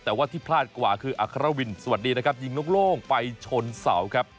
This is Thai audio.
แต่ว่าที่พลาดกว่าคืออัครวินสวัสดีนะครับยิงนกโล่งไปชนเสาครับ